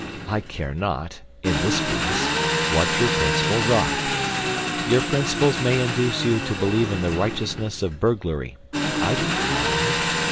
I care not (in this place) what your principles are. Your principles may induce you to believe in the righteousness of burglary. I don't mind.